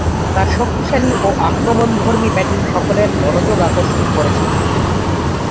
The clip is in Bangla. তার শক্তিশালী ও আক্রমণধর্মী ব্যাটিং সকলের মনোযোগ আকর্ষণ করেছিল।